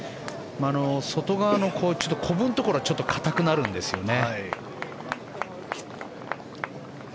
外側のこぶのところは硬くなるんですよね。